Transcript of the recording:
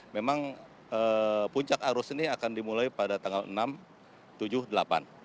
memang puncak arus ini akan dimulai pada tanggal enam tujuh delapan